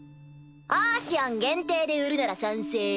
アーシアン限定で売るなら賛成。